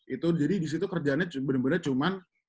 itu jadi di situ kerjaannya bener bener cuman